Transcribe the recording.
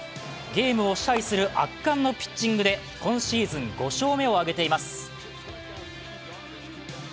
ゲームを支配する圧巻のピッチングで今シーズン５勝目を挙げています。